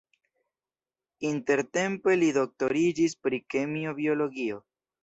Intertempe li doktoriĝis pri kemio-biologio.